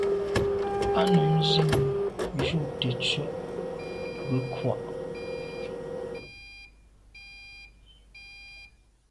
A num nzin njù tèttswe nke nkwa’a.